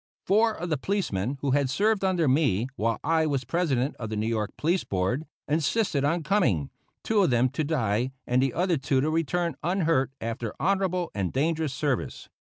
Four of the policemen who had served under me, while I was President of the New York Police Board, insisted on coming two of them to die, the other two to return unhurt after honorable and dangerous service.